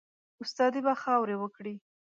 استادي به خاوري وکړې